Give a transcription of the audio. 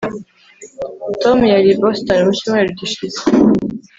tom yari i boston mu cyumweru gishize